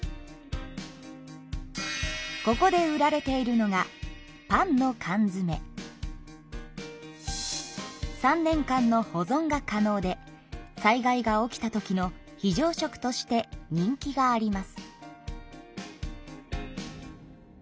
ここで売られているのが３年間の保存が可能で災害が起きたときの非常食として人気があります。